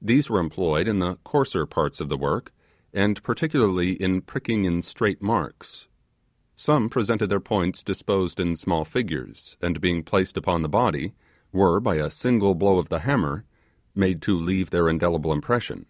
These were employed in the coarser parts of the work, and particularly in pricking in straight marks. Some presented their points disposed in small figures, and being placed upon the body, were, by a single blow of the hammer, made to leave their indelible impression.